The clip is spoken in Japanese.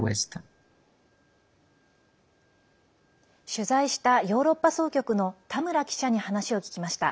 取材したヨーロッパ総局の田村記者に話を聞きました。